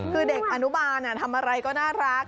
คือเด็กอนุบาลทำอะไรก็น่ารัก